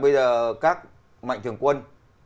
bây giờ các mạnh thường quân